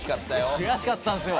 悔しかったんですよ。